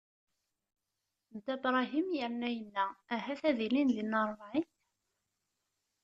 Dda Bṛahim yerna yenna: Ahat ad ilin dinna ṛebɛin?